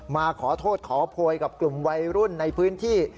มาขอโทษขอโพยกับกลุ่มวัยรุ่นในพื้นที่